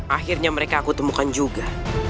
akhirnya mereka aku temukan juga